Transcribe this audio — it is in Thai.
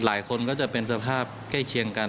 หลายคนก็จะเป็นสภาพใกล้เคียงกัน